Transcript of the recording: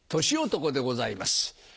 年男でございます。